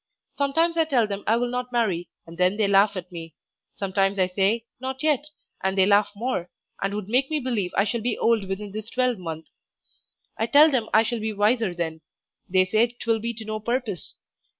Sometimes I tell them I will not marry, and then they laugh at me; sometimes I say, "Not yet," and they laugh more, and would make me believe I shall be old within this twelvemonth. I tell them I shall be wiser then. They say 'twill be to no purpose.